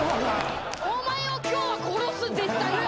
お前を今日は殺す絶対に。